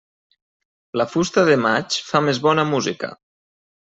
La fusta de maig fa més bona música.